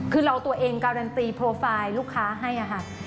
คือเราตัวเองการันตีโปรไฟล์ลูกค้าให้ค่ะ